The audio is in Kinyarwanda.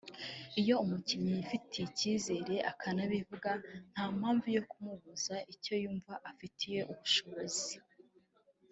iyo umukinnyi yifitiye icyizere akanabivuga nta mpamvu yo kumubuza icyo yumva afitiye ubushobozi